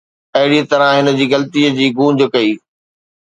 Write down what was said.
اهڙيء طرح هن جي غلطي جي گونج ڪئي